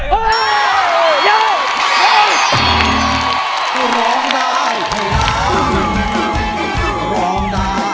ร้องได้ให้ล้าน